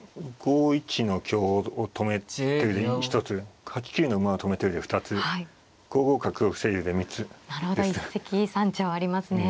５一の香を止めて１つ８九の馬を止めてるで２つ５五角を防いでるで３つですね。